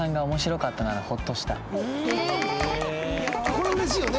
これ嬉しいよね。